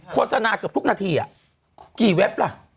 โฆษณาเกือบทุกนาทีกี่เว็บล่ะ